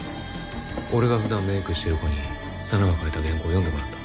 俺が普段メイクしてる子に沙奈が書いた原稿を読んでもらった。